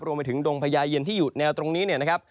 รวมไปถึงดงพญาเย็นที่อยู่แนวตรงนี้เนี่ยนะครับ